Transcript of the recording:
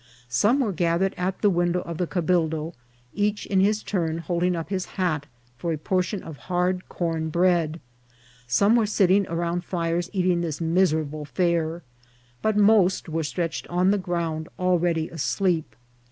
Some were gathered at the window of the cabildo, each in his turn holding up his hat for a portion of hard corn bread ; some were sitting around fires eating this miserable fare ; but most were stretched on the ground, already asleep.